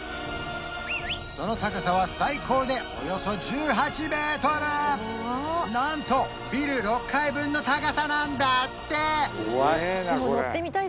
その高さは最高でなんとビル６階分の高さなんだって！